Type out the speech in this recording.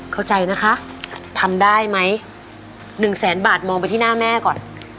เข้าใจนะคะทำได้ไหม๑แสนบาทมองไปที่หน้าแม่ก่อน